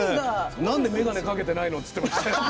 なんで眼鏡を掛けてないのって言ってました。